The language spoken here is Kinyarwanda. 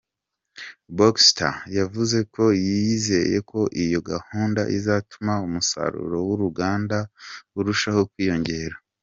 Baxter yavuze ko yizeye ko iyo gahunda izatuma umusasuro w’uruganda urushaho kwiyongera.